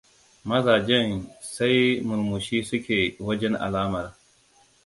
Mazajen sai murmushi suke wajen alamar.